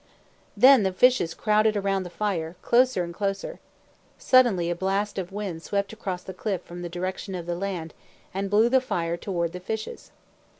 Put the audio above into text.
Then the fishes crowded around the fire, closer and closer. Suddenly a blast of wind swept across the cliff from the direction of the land, and blew the fire toward the fishes.